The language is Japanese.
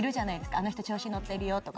「あの人調子乗ってるよ」とか。